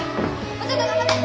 もうちょっと頑張って。